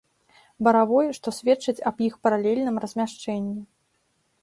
Баравой, што сведчыць аб іх паралельным размяшчэнні.